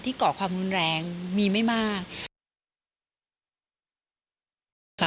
ก่อความรุนแรงมีไม่มาก